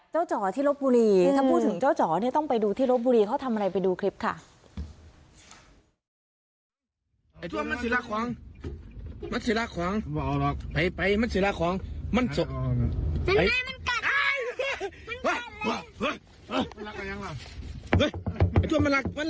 จ๋อที่ลบบุรีถ้าพูดถึงเจ้าจ๋อเนี่ยต้องไปดูที่ลบบุรีเขาทำอะไรไปดูคลิปค่ะ